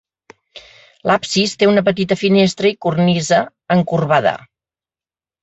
L'absis té una petita finestra i cornisa encorbada.